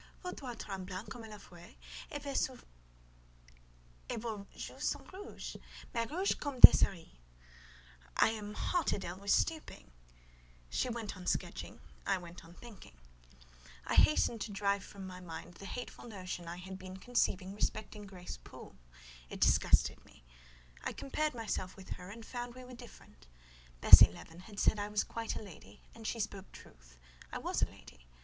"Vos doigts tremblent comme la feuille, et vos joues sont rouges: mais, rouges comme des cerises!" "I am hot, Adèle, with stooping!" She went on sketching; I went on thinking. I hastened to drive from my mind the hateful notion I had been conceiving respecting Grace Poole; it disgusted me. I compared myself with her, and found we were different. Bessie Leaven had said I was quite a lady; and she spoke truth—I was a lady.